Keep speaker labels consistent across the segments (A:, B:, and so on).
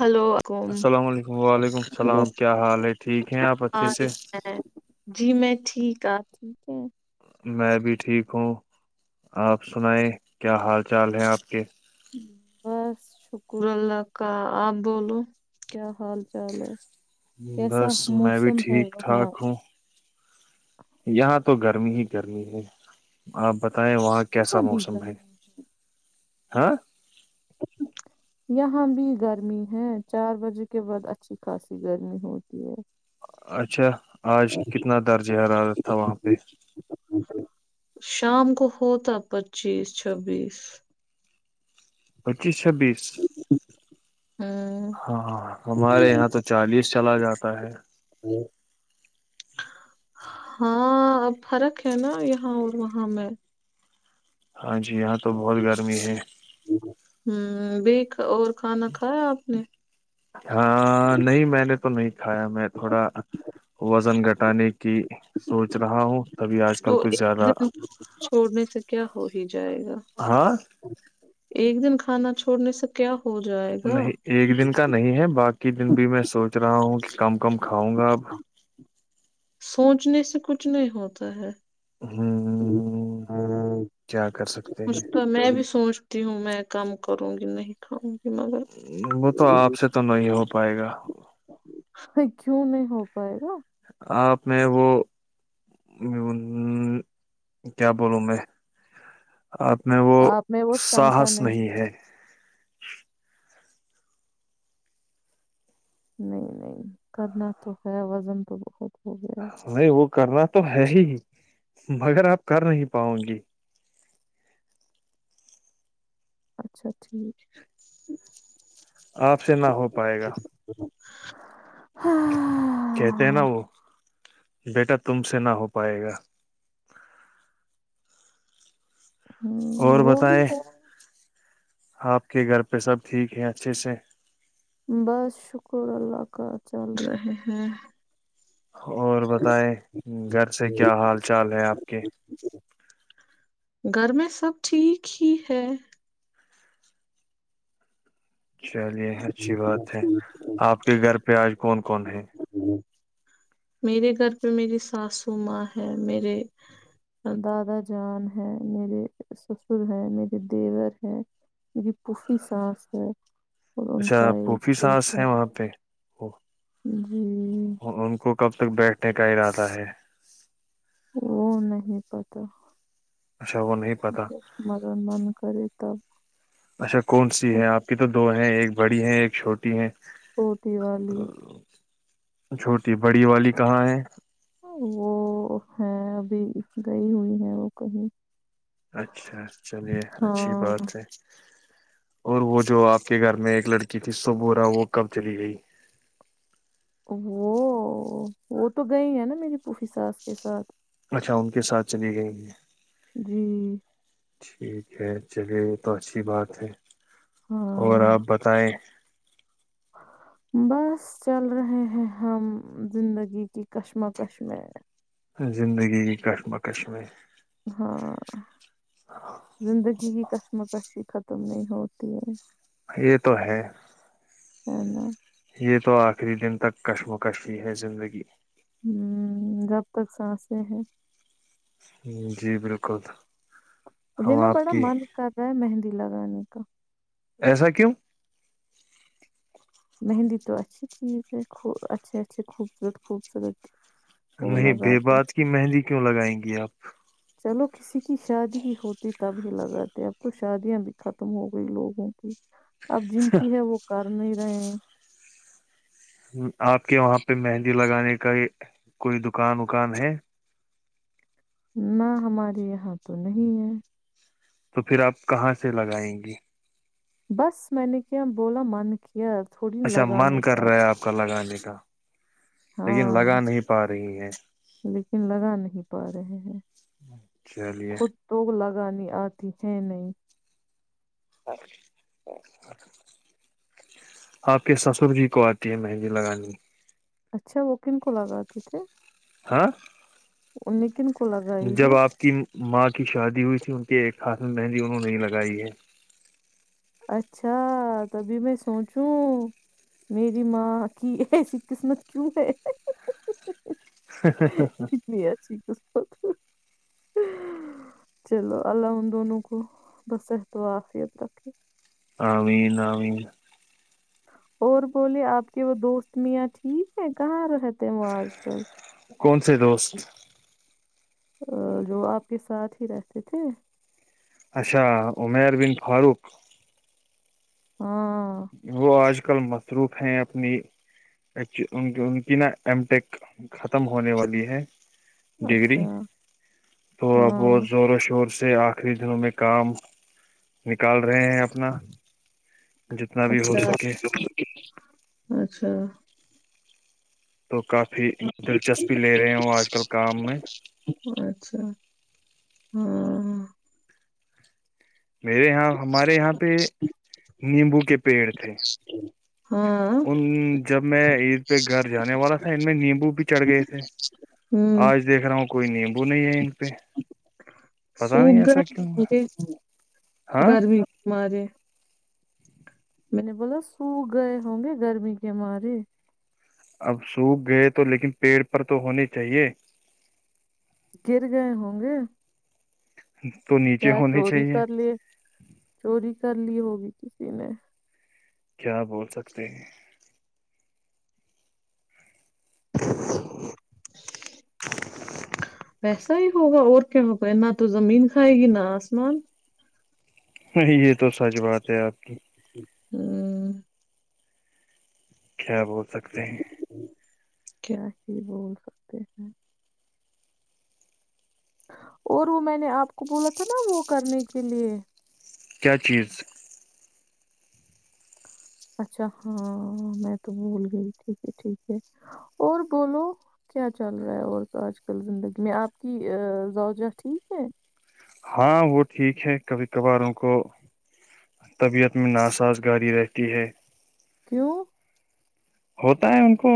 A: hello واں
B: السلام علیکم وعلیکم السلام کیا حال ہے ٹھیک ہیں آپ اچھے سے
A: جی میں ٹھیک ہے ٹھیک ہے
B: میں بھی ٹھیک ہوں آپ سنیں کیا حال چال ہیں آپ کے
A: بس شکر اللہ کا آپ بولو کیا حال چال ہے کیسا
B: بس میں بھی
A: موسم ہے
B: ٹھیک
A: وہاں
B: ٹھاک ہوں یہاں تو گرمی ہی گرمی ہے آپ ب بت ہے وہاں کیسا
A: یہاں بھی
B: موسم ہے
A: گرمی
B: ہاں
A: یہاں بھی گرمی ہے چار بجے کے بعد اچھی خاصی گرمی ہوتی ہے
B: اچھا آج کتنا درجہ حرارت تھا وہاں پہ
A: شام کو ہوتا پچیس چھبیس
B: پچیس چھبیس
A: ہوں
B: ہاں ہمارے یہاں تو چالیس چلا جاتا ہے
A: ہاں اب فرق ہے نا یہاں اور وہاں میں
B: ہاں جی یہاں تو بہت گرمی ہے
A: ہمم بھی اور کھانا کھایا آپ نے
B: ہاں نہیں میں نے تو نہیں کھایا میں تھوڑا وزن گھٹانے کی سوچ رہا ہوں تبھی آج
A: تو
B: کل کچھ
A: ایک
B: زیادہ
A: دن چھوڑنے سے کیا ہو ہی جائے گا
B: ہاں
A: ایک دن کھانا چھوڑنے سے کیا ہو جائے گا
B: نہیں ایک دن کا نہیں ہے باقی ہی دن بھی میں سوچ رہا ہوں کہ کم کم کھاؤں گا اب
A: سوچنے سے کچھ نہیں ہوتا ہے
B: ہ کیا کر سکتے
A: میں بھی سوچ تیوں میں کم کروں گی نہیں کھاوں گی مگر
B: وہ تو آپ سے تو نہیں ہوتا پائے گا
A: کیوں نہیں ہو پائے گا
B: آپ میں وہ کیا بولوں میں آپ میں وہ
A: آپ میں وہ شمتا
B: ساہس نہیں ہے
A: نہیں نہیں کرنا تو ہے وزن تو بہت ہو گیا ہے
B: نہیں وہ کرنا تو ہے ہی مگر آپ کر نہیں پاؤ گی
A: اچھا ٹھیک
B: آپ سے نہ ہو پائے گا
A: ہاں
B: کہتے ہیں نا وہ بیٹا تم سے نہ ہو پائے گا اور
A: وہ بھی
B: بتائیں
A: ہے
B: آپ کے گھر پہ سب ٹھیک ہیں اچھے سے
A: بس شکر اللہ کا چل رہے ہیں
B: اور بتائے گھر سے
A: ہوں
B: کیا حال چال ہے آپ کے
A: گھر میں سب ٹھیک ہی ہے
B: چلیے اچھی بات ہے آپ کے گھر پہ آج کون کون ہے
A: میرے گھر پہ میری ساسو ماں ہے میرے دادا جان ہے میرے سسر ہے میرے دیور ہے میری پوفی ساس ہے اور ان
B: اچھا
A: کا ایک
B: پوفی ساس
A: بیٹا
B: ہے وہاں پہ وہ
A: جی
B: ان کو کب تک بیٹھ نے کا ارادہ ہے
A: وہ نہیں پتا
B: اچھا وہ نہیں پتا
A: جب من کرے تب
B: اچھا کون سی
A: تک
B: ہے آپ کی تو دو ہیں ایک بڑی ہے ایک چھوٹی ہے
A: چھوٹی والی
B: چھوٹی بڑی والی کہاں ہے
A: وہ ہے ابھی گئی ہوئی ہے وہ کہیں
B: اچھا چلیے اچھی
A: ہاں
B: بات ہے اور وہ جو آپ کے گھر میں ایک لڑکی تھی سبورا وہ کب چلی گئی
A: وہ وہ تو گئی ہے نا میری پوپھی ساس کے ساتھ
B: اچھا ان کے ساتھ چلی گئی ہیں
A: جی
B: ٹھیک ہے چلیے یہ تو اچھی بات ہے اور
A: ہاں
B: آپ بتائیں
A: بس چل رہے ہیں ہم زندگی کی کشمکش میں
B: زندگی کی کشمکش میں
A: ہاں زندگی کی کشمکش ہی ختم ختم نہیں ہوتی ہے
B: یہ تو ہے
A: ہے نہ
B: یہ تو آخری دن تک کشمکش ہی ہے زندگی
A: ہمم جب تک سانسیں ہیں
B: جی بالکل
A: مجھے
B: ہم
A: نہ
B: آپ
A: بڑا
B: کی
A: من کر رہا ہے مہندی لگانے کا
B: ایسا کیوں
A: مہندی تو اچھی چیز ہے اچھے اچھے خوبصورت خوبصورت وہ
B: نہیں بے
A: لگاتے
B: بات کی
A: ہیں
B: مہندی کیوں لگائیں گی آپ
A: چلو کسی کی شادی ہی ہوتی تب ہی لگاتے اب تو شادیاں بھی ختم ہو گئی لوگوں کی اب جن کی ہے وہ کا س نہیں رہے ہیں [unintelligible] [inaudible]
B: آپ کے وہاں پہ مہندی لگانے کا کوئی دکان وکان ہے
A: نہ ہمارے یہاں تو نہیں ہے
B: تو پھر آپ کہاں سے لگائیں گے
A: بس میں نے کیا بولا من کیا تھوڑی
B: اچھا من
A: لگانے
B: کر رہا ہے آپ کا لگانے کا [inaudible] لیکن لگا
A: ہاں
B: نہیں پا رہی ہے
A: لیکن لگا نہیں پا رہے ہیں
B: چلیے
A: خود تو لگا انی آتی ہے نہیں
B: آپ کے سسر جی کو آتی ہے مہندی لگانی
A: اچھا وہ کن کو لگاتے تھے
B: ہاں
A: ان نیکن کو لگائی ہے
B: جب آپ کی ماں کی شادی ہوئی تھی کہ کاص میں مہندی انہوں نے نہیں لگائی ہے
A: اچھا تبھی میں سوچوں میری ماں کی ایسی قسمت کیوں ہے کتنی اسیھی ک چلو اللہ ان دونوں کو بس احت وافیت رکھے
B: آین آین
A: اور بولے آپ کے وہ دوست میاں ٹھیک ہے کہاں رہتے ہیں وہ آج کل
B: کون سے دوست
A: جو آپ کے ساتھ ہی رہتے تھے
B: اچھا عمیر بن فاروق
A: ہاں
B: وہ آج کل مصروف ہیں اپنی ان کی نا ایم ٹیک ختم ہونے والی ہے
A: اچھا
B: ڈگری تھوڑا بہت
A: ہاں
B: زور و شور سے آخری دنوں میں کام نکال رہے ہیں اپنا جتنا بھی ہو
A: اچھا
B: سکے
A: اچھا
B: تو کافی دلچسپی لے رہے ہو آج کل کام میں
A: اچھا ہاں
B: میرے یہاں ہمارے یہاں پہ نیمبو کے پیڑ تھے
A: ہاں
B: ان جب میں عید پہ گھر جانے والا تھا ان میں نیمبو بھی چڑھ گئے تھے
A: ہوں
B: آج دیکھ رہا ہوں کوئی نیمبو نہیں ہے ان پہ پتا نہیں
A: سوکھ
B: ایسا کیوں ہے
A: گے
B: ہاں
A: گرمی مارے میں نے بولا سوکھ گئے ہوں گے گرمی کے مارے
B: اب سوکھ گئے تو لیکن پیڑ پر تو ہونے چاہیے
A: گر گئے ہوں گے
B: تو نیچے
A: یا
B: ہونے
A: چوری
B: چاہیے
A: کر لیے چوری کر لی ہوگی کسی نے
B: کیا بول سکتے ہیں
A: [inaudible] ویسا ہی ہوگا اور کیا ہوگا نہ تو زمین کھائے گی نہ آسمان
B: نہیں یہ تو سچ بات ہے آپ کی
A: ہوں
B: کیا بول سکتے ہیں
A: کیا ہی بول سکتے ہیں اور وہ میں نے آپ کو بولا تھا نا وہ کرنے کے لئے
B: کیا چیز
A: اچھا ہاں میں تو بھول گئی ٹھیک ہے ٹھیک ہے اور بولو کیا چل رہا ہے اور آج کل زندگی میں آپ کی زاؤ جہ ٹھیک ہے
B: ہاں وہ ٹھیک ہے کبھی کبھاروں کو طبیعت میں ناسازگاری رہتی ہے
A: کیوں
B: ہوتا ہے ان کو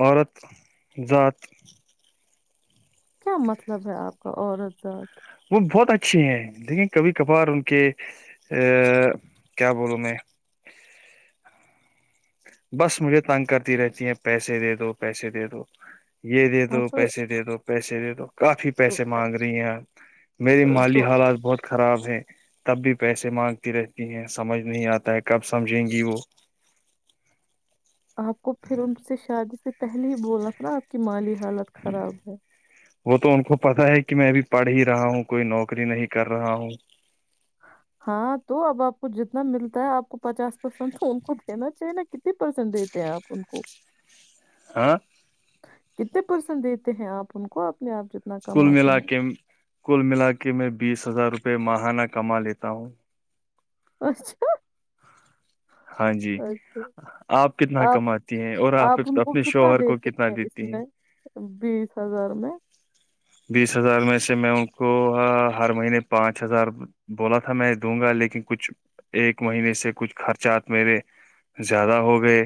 B: عورت ذات
A: کیا مطلب ہے آپ کا عورت ذات
B: وہ بہت اچھی ہیں لیکن کبھی کبھار ان کے ا کیا بولوں میں بس مجھے تنگ کرتی رہتی ہیں پیسے دے دو پیسے دے دو یہ دے
A: ہاں
B: دو
A: تو
B: پیسے دے دو پیسے دے دو کافی
A: تو
B: پیسے مانگ رہی ہیں میری مالی
A: تو
B: حالات بہت خراب ہے تب بھی پیسے مانگتی رہتی ہیں سمجھ نہیں آتا ہے کب سمجھیں گی وہ
A: آ کو پھر ان سے شادی سے پہلے ہی بولنا تھا نا آپ کی مالی حالت خراب ہے
B: وہ تو ان کو پتا ہے کہ کہ میں بھی پڑھ ہی رہا ہوں کوئی نوکری نہیں کر رہا ہوں
A: ہاں تو اب آپ کو جتنا ملتا ہے آپ کو پچاس پرسینٹ ان کو دینا چاہیے نا کتنی پرسینٹ دیتے ہیں آپ ان کو
B: ہاں
A: کتنے پرسینٹ دیتے ہیں آپ ان کو آپ جتنا
B: کل
A: کماتے
B: ملا
A: ہیں
B: کے کل ملا کے میں بیس ہزار روپ پہ ماہانہ کما لیتا ہوں
A: اچھا
B: ہاں جی
A: اچھا
B: آپ کتنا کماتی ہیں اور آپ
A: ان کو
B: اپنے
A: کتنا
B: شوہر کو
A: دیتے
B: کتنا
A: ہیں اس
B: دیتی ہیں
A: میں بیس ہزار میں
B: بیس ہزار میں سے میں ان کو ہر مہینے پانچ ہزار بولا تھا میں دوں گا لیکن کچھ ایک مہینے سے کچھ خرچات میرے زیادہ ہو گئے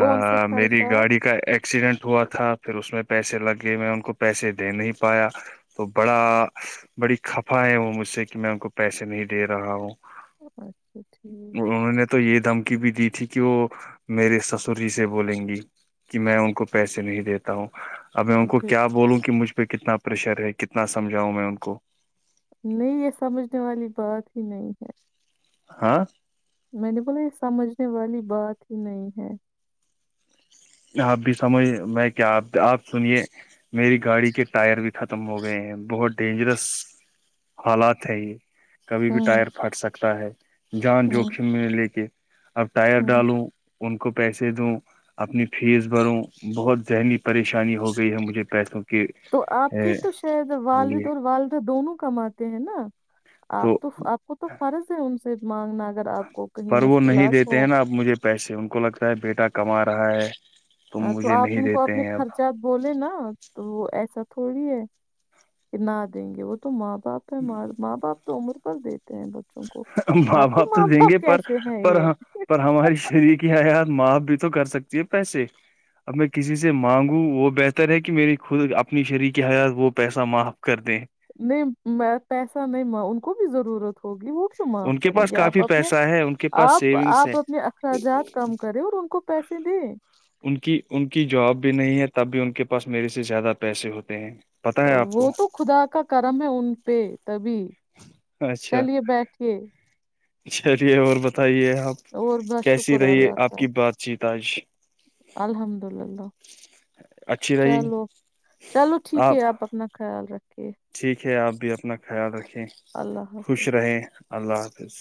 A: کون سے
B: میری
A: خرچات
B: گاڑی کا ایکسیڈنٹ ہوا تھا پھر اس میں پیسے لگ گئے میں ان کو پیسے دے نہیں پایا تو بڑا بڑی خفا ہے وہ مجھ سے کہ میں ان کو پیسے نہیں دے رہا ہوں
A: اچھا ٹھیک
B: انہوں نے تو یہ دھمکی بھی دی تھی کہ وہ میرے سسری سے بولیں گی کہ میں ان کو پیسے نہیں دیتا ہوں اب میں ان کو
A: پھر
B: کیا وں کہ مجھ پہ کتنا پرریشر ہے کتنا سمجھاؤں میں ان کو
A: نہیں یہ سمجھنے والی بات ہی نہیں ہے
B: ہاں
A: میں نے بولا یہ سمجھنے والی بات ہی نہیں ہے
B: آپ بھی سمجھ میں کیا آپ آپ سنیے میری گاڑی کے ٹائر بھی ختم ہو گئے ہیں بہت ڈینجرس حالات ہے یہ کبھی بھی
A: ہوں
B: ٹائر پھٹ سکتا ہے جان
A: ہوں
B: جوخم میں لے کے اب ٹائر
A: ہوں
B: ڈالوں ان کو پیسے دوں اپنی فیس بھروں بہت ذہنی پریشانی ہو گئی ہے مجھے پیسوں کی
A: تو آپ کی تو شاید والد
B: لیے
A: اور والدہ دونوں کمات ہیں نا آپ تو آپ کو تو فرض ہے ان سے مانگنا اگر آپ کو کہیں
B: پر وہ نہیں
A: مشکلات
B: دیتے
A: ہو
B: ہیں نا اب مجھے پیسے ان کو لگتا ہے بیٹا کما رہا ہے تم
A: تو
B: مجھے
A: آپ
B: نہیں
A: ان کو
B: دیتے
A: اپنے
B: ہیں اب
A: خرچات بولے نا تو وہ پیسہ تھوڑی ہے کہ نہ دیں گے وہ ت ماپ باپ ہےاں ماں باپ تو امر دیتے ہیں ب
B: ماں باپ تو دیں گے پر
A: ہیں
B: پر
A: یہ
B: پر ہماراری شریر کی حیات ماںپ تو کر سکتی ہے پیسے اب میں کسی سے مانگوں وہ بہتر ہے کہ میری خود اپنی شریک حیات وہ پیسہ معاف کر دیں
A: نہیں میں پیسہ نہیں ماں ان کو بھی ضرورت ہوگی وہ کیوں معاف
B: ان کے
A: کریں
B: پاس
A: گے آپ
B: کافی
A: اپنے
B: پیسہ ہے ان کے پاس
A: آپ
B: سیونگس ہے
A: آپ اپنے اخراجات کم کریں اور ان کو پیسے دیں
B: ان کی ان کی جاب بھی نہیں ہے تب بھی ان کے پاس میرے سے زیادہ پیسے ہوتے ہیں پتا ہے آپ
A: وہ
B: کو
A: تو خدا کا کرم ہے ان پہ تبھی
B: اچھا
A: چلیے بیٹھیے [inaudible]
B: چلیے اور بتائیے آپ
A: اور بس
B: کیسی
A: شکر
B: رہیے
A: اللہ
B: آپ
A: کا
B: کی بات چیت آج
A: الحمد للہ
B: اچھی رہی
A: چلو چلو ٹھیک ہے آپ اپنا خر خیال رکھے
B: ٹھیک ہے آپ بھی اپنا خیال ر
A: اللہ حافظ
B: خوش رہے اللہ بس